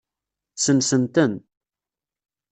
Sensen-ten.